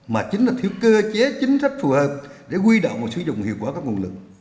mà chính là thiếu cơ chế chính sách phù hợp để huy động và sử dụng hiệu quả các nguồn lực